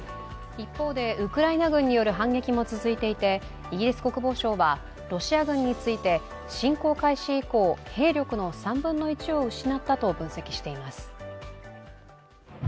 一方で、ウクライナ軍による反撃も続いていてイギリス国防省は、ロシア軍について侵攻開始以降、兵力の３分の１を失ったと分析しています。